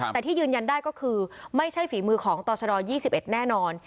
แต่ที่ยืนยันได้ก็คือไม่ใช่ฝีมือของต่อชด๒๑แน่นอน